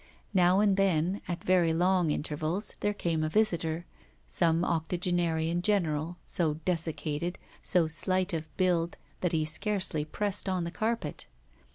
Now and then, at very long intervals, there came a visitor: some octogenarian general, so desiccated, so slight of build that he scarcely pressed on the carpet.